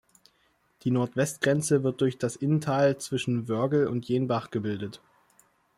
Die Nordwestgrenze wird durch das Inntal zwischen Wörgl und Jenbach gebildet.